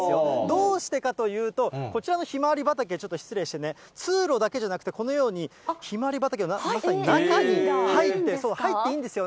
どうしてかというと、こちらのひまわり畑、ちょっと失礼してね、通路だけじゃなくて、このようにひまわり畑の中に入って、入っていいんですよ。